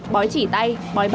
bói chỉ tay